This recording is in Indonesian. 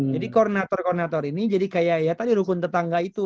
jadi koordinator koordinator ini jadi kayak ya tadi rukun tetangga itu